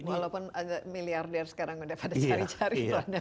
walaupun ada miliarder sekarang udah pada cari cari